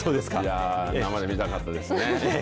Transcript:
生で見たかったですね。